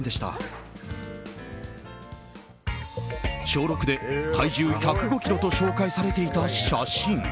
小６で体重１０５ｋｇと紹介されていた写真